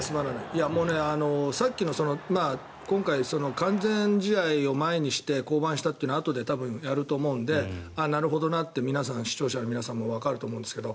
さっきの今回、完全試合を前にして降板したというのをあとでやると思うのでなるほどなって視聴者の皆さんもわかると思うんだけど。